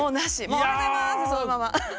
「おはようございます」ってそのまま。